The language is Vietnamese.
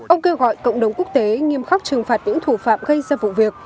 ông kêu gọi cộng đồng quốc tế nghiêm khắc trừng phạt những thủ phạm gây ra vụ việc